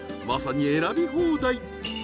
まさに選び放題。